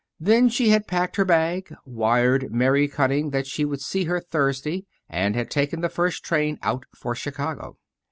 Then she had packed her bag, wired Mary Cutting that she would see her Thursday, and had taken the first train out for Chicago.